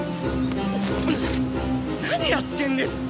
何やってんですか。